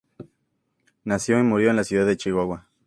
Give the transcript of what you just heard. Nació y murió en la ciudad de Chihuahua.